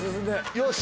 よし。